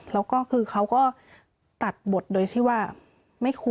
แล้วก็คือเขาก็ตัดบทโดยที่ว่า